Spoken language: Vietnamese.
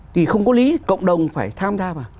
thì không có lý cộng đồng phải tham gia vào